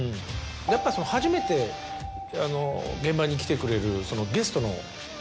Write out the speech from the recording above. やっぱ初めて現場に来てくれるゲストの皆さん。